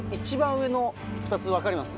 ２つ分かります？